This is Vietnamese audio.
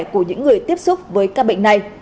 của những người tiếp xúc với ca bệnh này